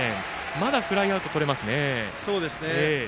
まだフライアウトがとれます。